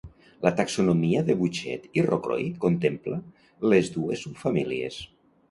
La taxonomia de Bouchet i Rocroi contempla les dues subfamílies.